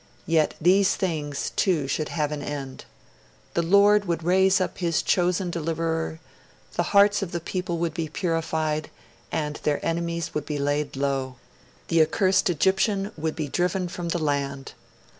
Yet these things, 'Too, should have an end. The Lord would raise up his chosen deliverer; the hearts of the people would be purified, and their enemies would be laid low. The accursed Egyptian would be driven from the land.